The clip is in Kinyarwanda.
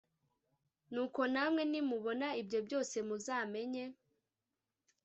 nuko namwe nimubona ibyo byose muzamenye